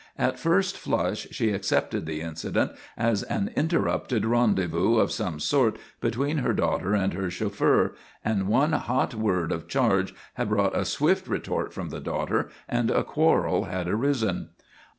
At first flush she accepted the incident as an interrupted rendezvous of some sort between her daughter and her chauffeur, and one hot word of charge had brought a swift retort from the daughter, and a quarrel had arisen.